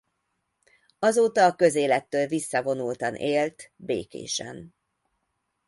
Azóta a közélettől visszavonultan élt Békésen.